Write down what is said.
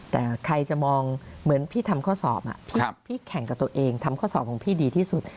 แต่ใครจะมองเหมือนพี่ทำข้อสอบพี่แข่งกับตัวเองทำข้อสอบของพี่ดีที่สุด